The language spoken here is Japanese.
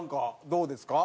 どうですか？